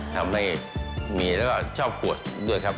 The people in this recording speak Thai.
ทำให้มีแล้วก็ชอบปวดด้วยครับ